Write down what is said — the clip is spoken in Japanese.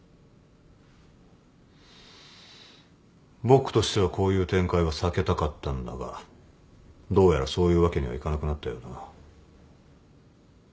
僕としてはこういう展開は避けたかったんだがどうやらそういうわけにはいかなくなったようだな。